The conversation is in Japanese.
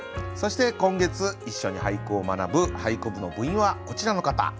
そして今月一緒に俳句を学ぶ俳句部の部員はこちらの方。